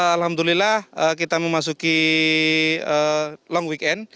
alhamdulillah kita memasuki long weekend